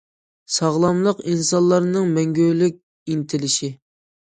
ساغلاملىق ئىنسانلارنىڭ مەڭگۈلۈك ئىنتىلىشى.